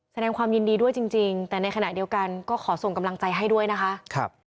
แสดงความยินดีด้วยจริงแต่ในขณะเดียวกันก็ขอส่งกำลังใจให้ด้วยนะคะ